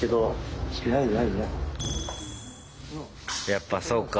やっぱそうか。